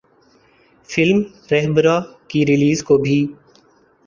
film ’Rahbara‘ کی release کو بھی